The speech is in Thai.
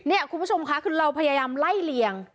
นี่คุณผู้ชมค่ะคือเราพยายามไล่เลี่ยง